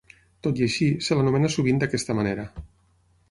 Tot i així, se l'anomena sovint d'aquesta manera.